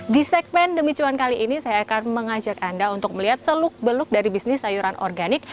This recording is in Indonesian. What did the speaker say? di segmen demi cuan kali ini saya akan mengajak anda untuk melihat seluk beluk dari bisnis sayuran organik